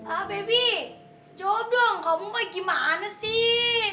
ah bebbi jawab dong kamu gimana sih